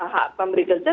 hak pemberi kerja